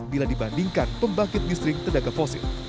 bila dibandingkan pembangkit listrik tenaga fosil